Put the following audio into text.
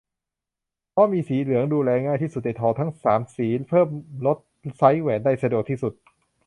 เพราะมีสีเหลือง ดูแลง่ายที่สุดในทองทั้ง สาม สี เพิ่มลดไซซ์แหวนได้สะดวกที่สุด